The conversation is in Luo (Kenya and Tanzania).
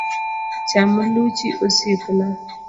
Cham luchi osiepna.